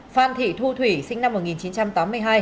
phan thị thu thủy sinh năm một nghìn chín trăm tám mươi hai